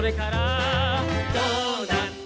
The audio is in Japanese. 「どうなった？」